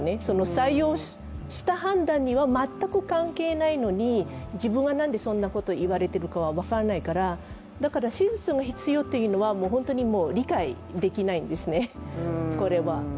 採用した判断には全く関係ないのに自分が何でそんなことを言われているかが分からないから、だから、手術の必要というのは本当に理解できないんですよね、これは。